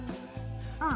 うん。